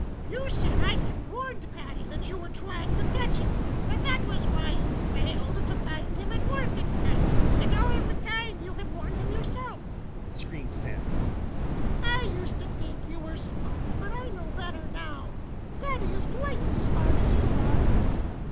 "You said I had warned Paddy that you were trying to catch him and that was why you failed to find him at work at night, and all the time you had warned him yourself!" screamed Sammy. "I used to think that you were smart, but I know better now. Paddy is twice as smart as you are."